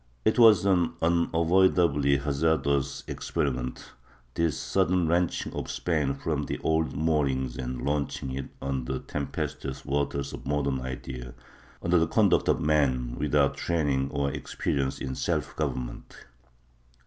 ^ It was an unavoidably hazardous experiment, this sudden wrench ing of Spain from the old moorings and launching it on the tem pestuous waters of modern ideas, under the conduct of men without training or experience in self government.